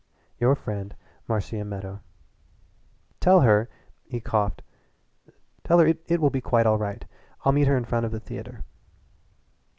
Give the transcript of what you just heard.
Your friend, Marcia Meadow." "Tell her," he coughed "tell her that it will be quite all right. I'll meet her in front of the theatre."